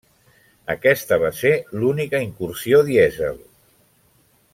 Aquesta va ser l'única incursió dièsel.